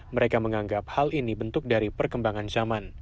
mereka menganggap hal ini bentuk dari perkembangan zaman